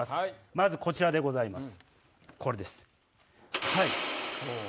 まずこちらでございます。